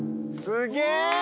すげえ！